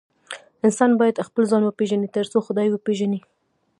انسان بايد خپل ځان وپيژني تر څو خداي وپيژني